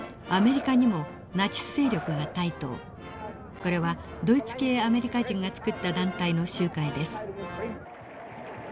これはドイツ系アメリカ人が作った団体の集会です。